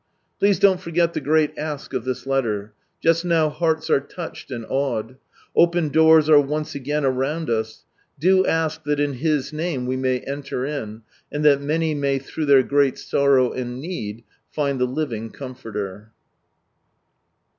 Please don't forget the great "Ask" of this letter. Just now hearts are touched and awed. Open doors arc once again around us. Do ask that in His name we may enter in, and that many may through their great sorrow and need find the Living Comforter.